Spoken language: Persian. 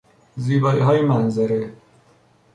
زیباییهای منظره